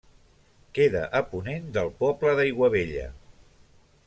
Queda a ponent del poble d'Aiguabella.